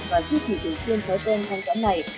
và duy trì được thương thái tuyên thanh toán này